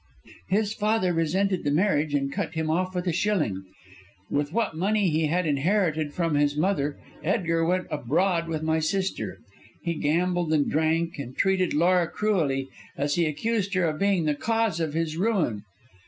His father resented the marriage, and cut him off with a shilling. With what money he had inherited from his mother Edgar went abroad with my sister. He gambled and drank, and treated Laura cruelly, as he accused her of being the cause of his ruin.